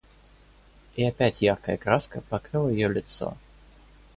И опять яркая краска покрыла ее лицо.